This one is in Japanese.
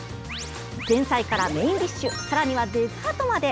前菜からメインディッシュさらにはデザートまで。